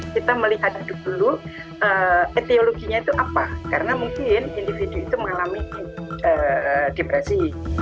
kita melihat duduk dulu etiologinya itu apa karena mungkin individu itu mengalami depresi